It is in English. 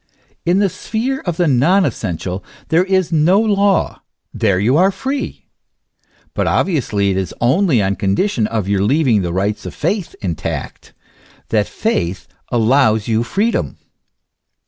In the sphere of the non essential there is no law, there you are free. But obviously it is only on condition of your leaving the rights of faith intact, that faith allows you freedom.